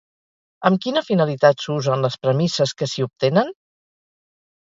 Amb quina finalitat s'usen les premisses que s'hi obtenen?